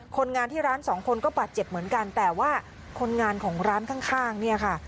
คนงานที่ร้านสองคนก็บาดเจ็บเหมือนกันแต่ว่าคนงานของร้านข้างเนี่ยค่ะ